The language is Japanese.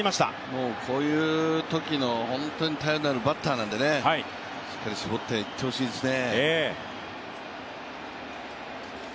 もうこういうときの本当に頼りになるバッターなんでしっかり絞っていってほしいですね。